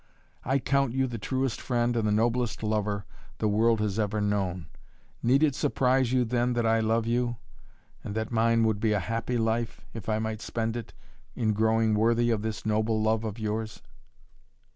I count you the truest friend and the noblest lover the world has ever known. Need it surprise you then, that I love you, and that mine would be a happy life if I might spend it in growing worthy of this noble love of yours?"